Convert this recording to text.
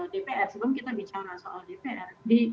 dpr sebelum kita bicara soal dpr